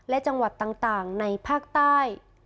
และจังหวัดต่างในภาคใต้